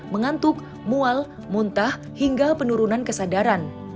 mengantuk mual muntah hingga penurunan kesadaran